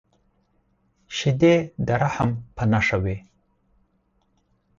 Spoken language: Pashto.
شیدې د رحم په نښه وي